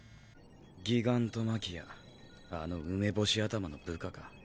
ギガントマキアあの梅干し頭の部下か。